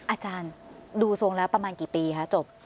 อาจารย์ดูทรงแล้วประมาณกี่ปีคะจบ